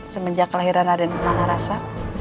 semenjak kelahiran aden murmanan rasa